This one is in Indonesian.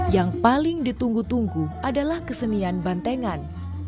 yang paling ditunggu tunggu adalah kesenian bantengan